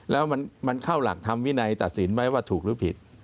แล้วมันเข้าหลักธรรมวินัยตัดสินไหมว่าถูกหรือผิด